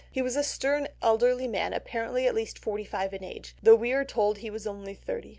He was a stern elderly man apparently at least forty five in age, though we are told he was only thirty.